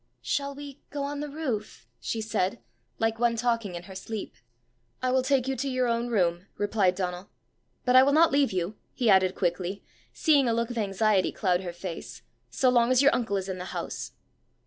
"Shall we go on the roof?" she said, like one talking in her sleep. "I will take you to your own room," replied Donal. " But I will not leave you," he added quickly, seeing a look of anxiety cloud her face, " so long as your uncle is in the house."